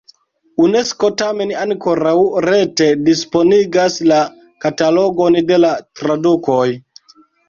Unesko tamen ankoraŭ rete disponigas la katalogon de la tradukoj.